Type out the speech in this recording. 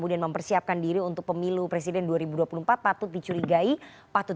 dapat hanyalah keberhasilan dan